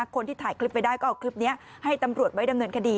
คนที่ถ่ายคลิปไปได้ก็เอาคลิปนี้ให้ตำรวจไว้ดำเนินคดี